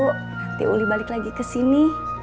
nanti uli balik lagi ke sini